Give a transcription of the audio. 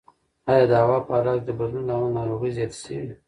ایا د هوا په حالاتو کې د بدلون له امله ناروغۍ زیاتې شوي؟